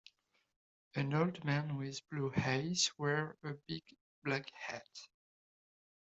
An old man with blue eyes wears a big black hat.